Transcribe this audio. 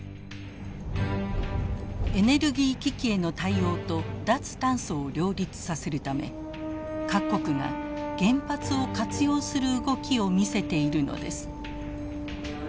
エネルギー危機への対応と脱炭素を両立させるため各国が原発を活用する動きを見せているのです。